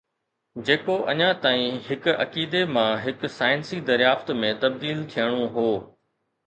جيڪو اڃا تائين هڪ عقيدي مان هڪ سائنسي دريافت ۾ تبديل ٿيڻو هو.